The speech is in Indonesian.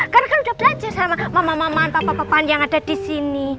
karena kan udah belajar sama mama maman papa papaan yang ada di sini